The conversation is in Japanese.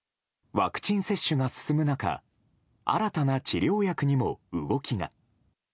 ワクチン接種が進む中新たな治療薬にも動きが。